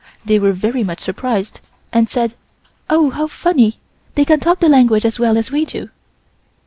They were very much surprised and said: "Oh! how funny, they can talk the language as well as we do."